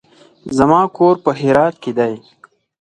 زما کور په هرات کې دی.